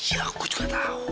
iya aku juga tahu